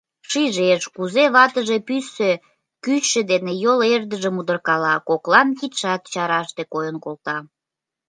Шижеш, кузе ватыже пӱсӧ кӱчшӧ дене йол эрдыжым удыркала, коклан кидшат чараште койын колта.